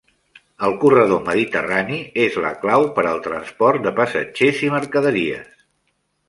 El corredor mediterrani és la clau per al transport de passatgers i mercaderies.